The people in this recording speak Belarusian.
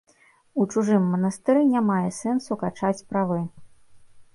У чужым манастыры не мае сэнсу качаць правы.